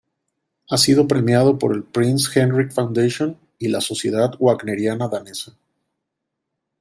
Ha sido premiado por el Prince Henrik Foundation y la Sociedad Wagneriana Danesa.